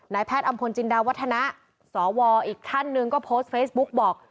แพทย์อำพลจินดาวัฒนะสวอีกท่านหนึ่งก็โพสต์เฟซบุ๊กบอก